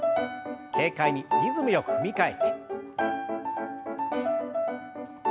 軽快にリズムよく踏み替えて。